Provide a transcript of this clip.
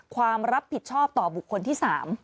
ความรับผิดชอบต่อบุคคลที่๓